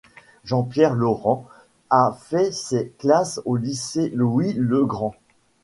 Jean-Pierre Laurant a fait ses classes au lycée Louis-le-Grand.